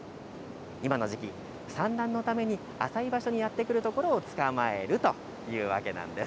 今の時期、産卵のために浅い場所にやって来るところを、捕まえるというわけなんです。